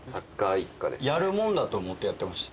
やるもんだと思ってやってました。